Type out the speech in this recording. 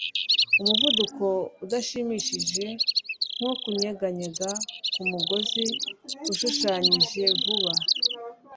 Umuvuduko udashimishije nko kunyeganyega kumugozi ushushanyije vuba